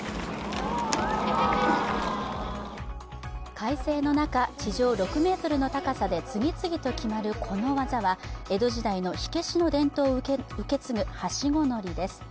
快晴の中、地上６ｍの高さで次々と決まるこの技は江戸時代の火消しの伝統を受け継ぐはしご乗りです。